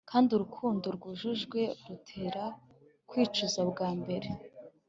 Kandi urukundo rwujujwe rutera kwicuza bwa mbere